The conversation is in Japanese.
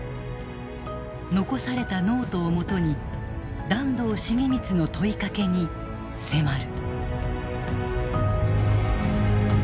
残されたノートをもとに團藤重光の問いかけに迫る。